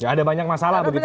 ada banyak masalah begitu ya